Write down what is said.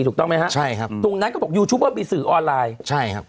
ถูกต้องไหมฮะใช่ครับตรงนั้นเขาบอกสื่อออนไลน์ใช่ครับ